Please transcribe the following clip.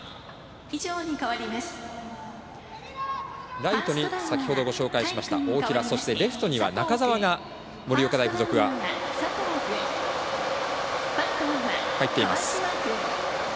ライトに先ほどご紹介しました大平、レフトには中沢が盛岡大付属は入っています。